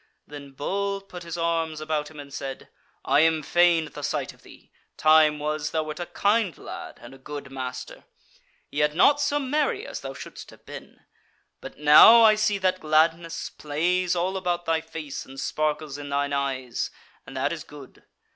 Then Bull put his arms about him, and said: "I am fain at the sight of thee, time was thou wert a kind lad and a good master; yet naught so merry as thou shouldest have been; but now I see that gladness plays all about thy face, and sparkles in thine eyes; and that is good.